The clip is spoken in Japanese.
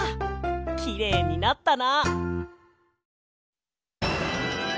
きれいになったな。